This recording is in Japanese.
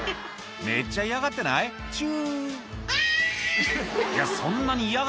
「めっちゃ嫌がってない？チュ」ギャ！